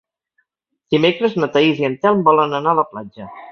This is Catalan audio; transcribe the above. Dimecres na Thaís i en Telm volen anar a la platja.